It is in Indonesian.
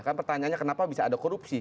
kan pertanyaannya kenapa bisa ada korupsi